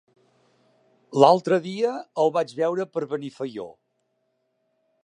L'altre dia el vaig veure per Benifaió.